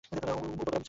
উবাগরাম, sir.